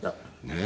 ねえ。